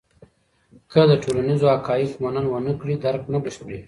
که د ټولنیزو حقایقو منل ونه کړې، درک نه بشپړېږي.